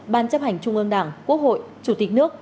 ban chấp hành trung ương đảng quốc hội chủ tịch nước